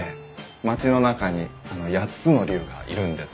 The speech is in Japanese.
町の中に８つの竜がいるんです。